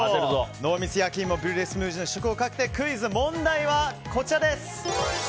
濃密やきいもブリュレスムージーの試食をかけてクイズ、問題はこちらです。